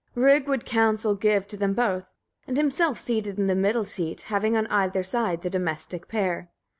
3. Rig would counsel give to them both, and himself seated in the middle seat, having on either side the domestic pair.